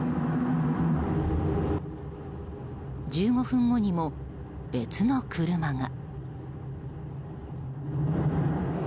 １５分後にも別の車が。